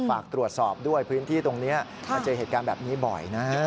ฝากตรวจสอบด้วยพื้นที่ตรงนี้มาเจอเหตุการณ์แบบนี้บ่อยนะฮะ